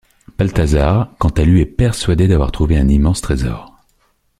Baltazar, quant à lui est persuadé d'avoir trouvé un immense trésor.